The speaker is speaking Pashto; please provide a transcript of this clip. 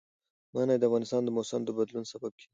منی د افغانستان د موسم د بدلون سبب کېږي.